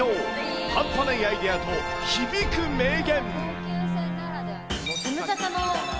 ハンパないアイデアと響く名言。